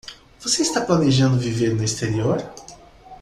Você está planejando viver no exterior?